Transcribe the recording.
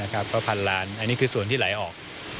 ก็พันล้านอันนี้คือส่วนที่ไหลออก